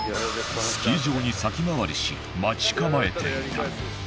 スキー場に先回りし待ち構えていた。